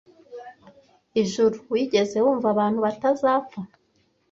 Ijuru, wigeze wumva abantu batazapfa?